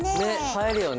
映えるよね。